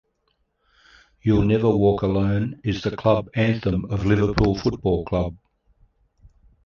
"You'll Never Walk Alone" is the club anthem of Liverpool Football Club.